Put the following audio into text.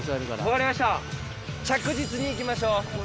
分かりました着実にいきましょう。